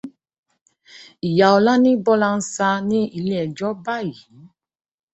Ìyá Ọlá ní Bọ́lá ń sá ní iléẹjọ́ báyìí.